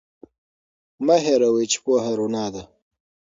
مه هیروئ چې پوهه رڼا ده.